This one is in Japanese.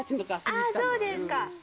あー、そうですか。